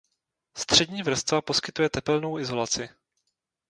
Střední vrstva poskytuje tepelnou izolaci.